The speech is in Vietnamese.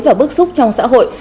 và bức xúc trong xã hội